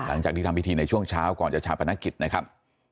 หลังจากที่ทำพิธีในช่วงเช้าก่อนจะชาปนกิจนะครับ